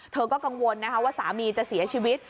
เธอก็กังวลนะคะว่าสามีจะเสียชีวิต